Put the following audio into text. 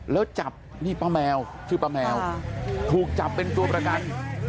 แล้วจับนี่ป้าแมวชื่อป้าแมวถูกจับเป็นตัวประกัน